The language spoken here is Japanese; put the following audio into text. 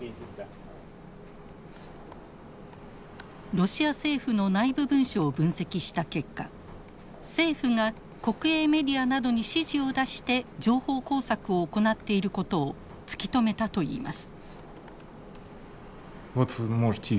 ロシア政府の内部文書を分析した結果政府が国営メディアなどに指示を出して情報工作を行っていることを突き止めたといいます。